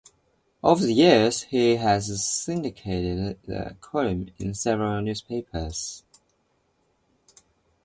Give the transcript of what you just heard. Over the years he has syndicated the column in several newspapers.